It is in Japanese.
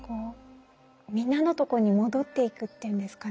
みんなのとこに戻っていくっていうんですかね